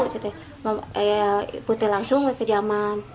saya tidak langsung ke jaman